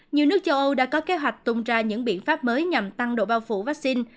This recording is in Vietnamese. nhiều nước châu âu đã có kế hoạch tung ra những biện pháp mới nhằm tăng độ bao phủ vaccine